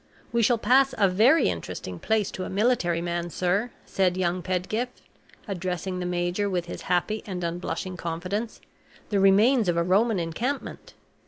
"We shall pass a very interesting place to a military man, sir," said young Pedgift, addressing the major, with his happy and unblushing confidence "the remains of a Roman encampment.